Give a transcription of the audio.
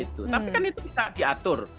tapi kan itu bisa diatur